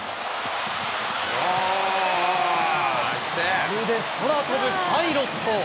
まるで空飛ぶパイロット。